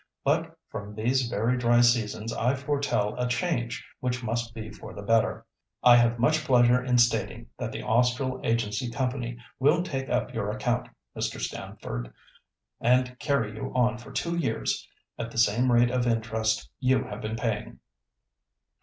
But from these very dry seasons I foretell a change which must be for the better. I have much pleasure in stating that the Austral Agency Company will take up your account, Mr. Stamford, and carry you on for two years at the same rate of interest you have been paying."